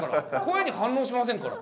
声に反応しませんから。